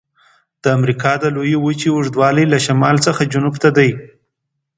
د امریکا د لویې وچې اوږدوالی له شمال څخه جنوب ته دی.